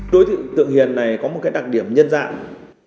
đối tượng tượng hiền này có một cái đặc điểm nhân dạng